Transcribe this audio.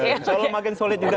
insya allah makin solid juga